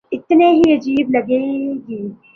اتنی ہی عجیب لگے گی۔